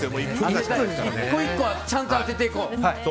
１個１個はちゃんと当てていこう。